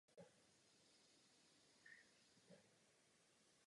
Na evangelijní straně lodi je boční oltář Ježíšova srdce.